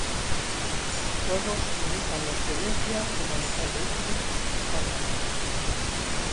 Juegos que imitan la "experiencia" de manejar vehículos o armas.